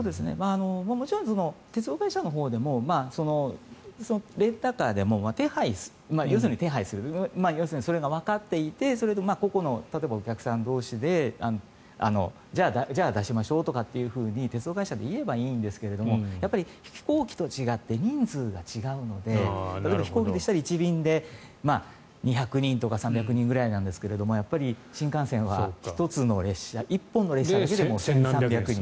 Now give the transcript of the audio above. もちろん鉄道会社のほうでもレンタカーでも手配する要するにそれがわかっていてそれで個々のお客さん同士でじゃあ、出しましょうとかって鉄道会社で言えばいいんですが飛行機と違って人数が違うので例えば飛行機だったら１便で２００人とか３００人ぐらいなんですが新幹線は１つの列車１本の列車だけでも千何百人。